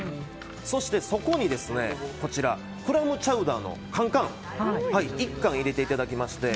そしてそこにクラムチャウダーの缶々を１缶入れていただきまして